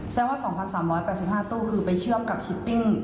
แสดงว่า๒๓๘๕ตู้คือไปเชื่อมกับชิปปิ้ง